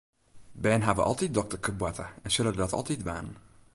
Bern hawwe altyd dokterkeboarte en sille dat altyd dwaan.